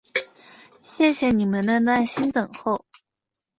谢谢你们的耐心等候！